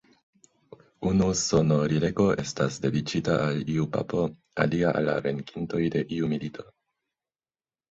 Unu sonorilego estas dediĉita al iu Papo, alia al la venkintoj de iu milito.